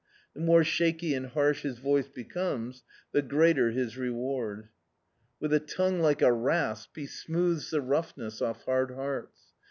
The more shaky and harsh bis voice becomes, the greater his reward. With a tongue like a rasp he smoothes the rou^mess off hard hearts.